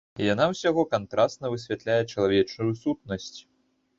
Яна ўсяго кантрасна высвятляе чалавечую сутнасць.